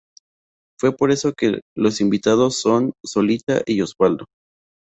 Fue por eso que los invitados son Solita y Osvaldo.